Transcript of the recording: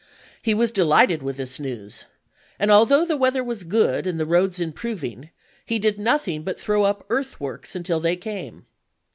He was delighted with this news; and although the weather was good and the roads improving, he did nothing but throw up earthworks until they came.